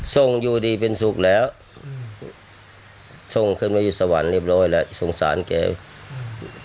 อยู่ดีเป็นสุขแล้วอืมทรงขึ้นมาอยู่สวรรค์เรียบร้อยแล้วสงสารแกอืม